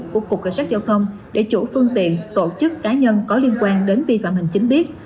của cục cảnh sát giao thông để chủ phương tiện tổ chức cá nhân có liên quan đến vi phạm hành chính biết